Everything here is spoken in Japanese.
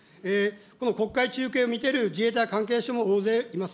この国会中継を見ている自衛隊関係者も大勢います。